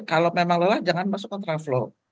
kalau memang lelah jangan masuk kontra flow